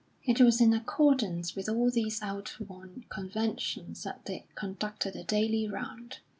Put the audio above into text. It was in accordance with all these outworn conventions that they conducted the daily round.